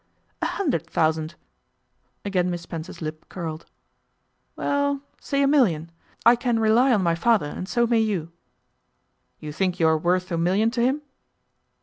'A hundred thousand.' Again Miss Spencer's lip curled. 'Well, say a million. I can rely on my father, and so may you.' 'You think you are worth a million to him?